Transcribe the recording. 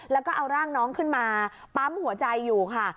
แล้วก็เอาร่างน้องขึ้นมาปั๊มหัวใจอยู่ค่ะ